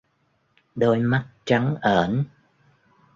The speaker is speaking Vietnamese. Đôi mắt trắng ởn